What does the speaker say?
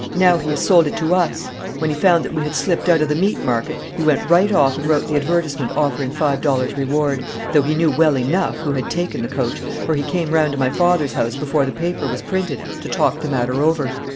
Now he has sold it to us. When he found that we had slipped out of the Meat Market, he went right off and wrote the advertisement offering five dollars reward; though he knew well enough who had taken the coach, for he came round to my father's house before the paper was printed to talk the matter over.